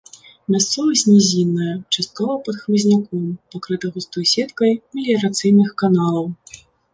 Мясцовасць нізінная, часткова пад хмызняком, пакрыта густой сеткай меліярацыйных каналаў.